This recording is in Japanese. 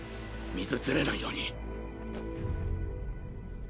水ズレないように！